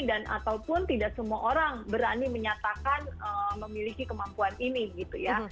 dan ataupun tidak semua orang berani menyatakan memiliki kemampuan ini gitu ya